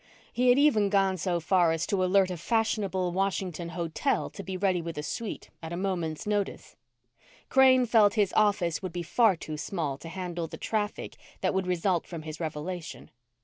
He had even gone so far as to alert a fashionable Washington hotel to be ready with a suite at a moment's notice. Crane felt his office would be far too small to handle the traffic that would result from his revelation.